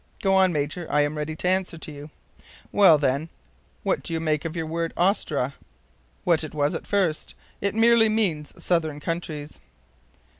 "Go on, Major; I am ready to answer you." "Well, then, what do you make of your word AUSTRA?" "What it was at first. It merely means southern countries."